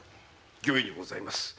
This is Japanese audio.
御意にございます。